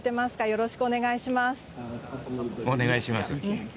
よろしくお願いします。